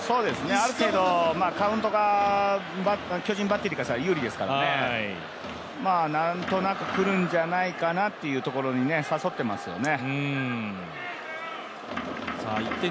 ある程度カウントが巨人バッテリーからしたら有利ですからね、なんとなく来るんじゃないかなっていうところに誘ってますよね。